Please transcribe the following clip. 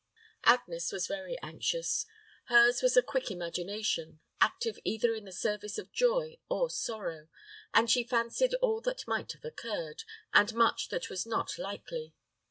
Agnes was very anxious. Her's was a quick imagination, active either in the service of joy or sorrow; and she fancied all that might have occurred, and much that was not likely.